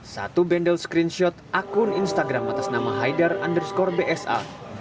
satu bendel screenshot akun instagram atas nama haidar underscore bsa